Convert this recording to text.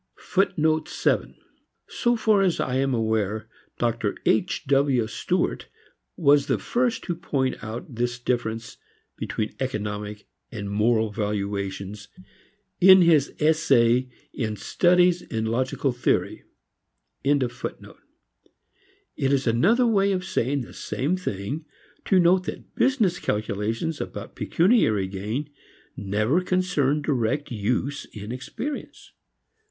So far as I am aware Dr. H. W. Stuart was the first to point out this difference between economic and moral valuations in his essay in Studies in Logical Theory. It is another way of saying the same thing to note that business calculations about pecuniary gain never concern direct use in experience.